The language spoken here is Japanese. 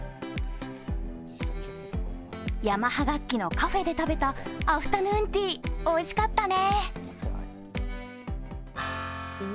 ヤマハ楽器のカフェで食べたアフタヌーンティー、おいしかったね。